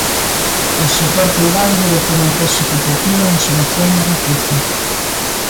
O sector privado debe ter un peso equitativo na xeración de riqueza.